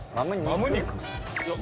マム肉？